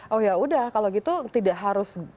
oh yaudah kalau gitu tidak harus